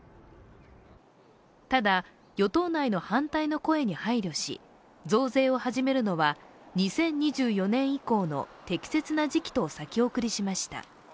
ただ、与党内の反対の声に配慮し増税を始めるのは「２０２４年以降の適切な時期」と先送りしました。